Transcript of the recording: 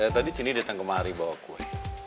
tadi sini datang kemari bawa kue